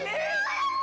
jangan pergi bu